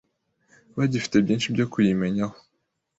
bagifite byinshi byo kuyimenyaho